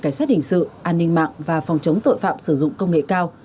cảnh sát hình sự an ninh mạng và phòng chống tội phạm sử dụng công nghệ cao